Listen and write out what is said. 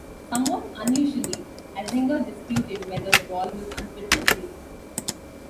Somewhat unusually, Azinger disputed whether the ball was unfit for play.